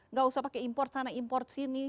nggak usah pakai impor sana import sini